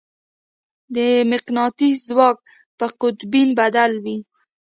د مقناطیس ځواک په قطبین بدل وي.